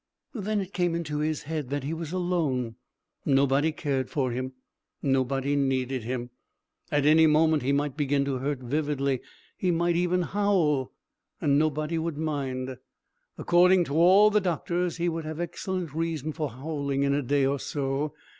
Then it came into his head that he was alone. Nobody cared for him, nobody needed him! at any moment he might begin to hurt vividly. He might even howl. Nobody would mind. According to all the doctors he would have excellent reason for howling in a day or so.